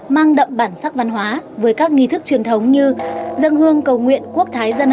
mang đậm bản sắc văn hóa với các nghi thức truyền thống như dâng hương cầu nguyện quốc thái dân